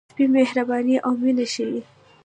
سپي مهرباني او مینه ښيي.